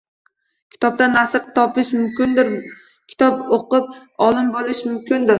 Kitobdan nasr topish mumkindir, kitob o‘qib olim bo‘lish mumkindir